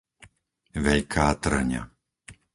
Veľká Tŕňa